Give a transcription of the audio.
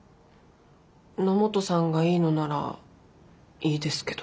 野本さんがいいのならいいですけど。